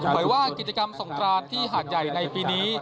เผยว่ากิจกรรมสงกรานที่หาดใหญ่ในปีนี้